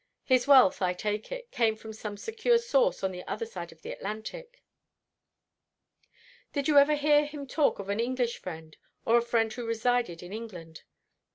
His wealth, I take it, came from some secure source on the other side of the Atlantic." "Did you ever hear him talk of an English friend, or a friend who resided in England?"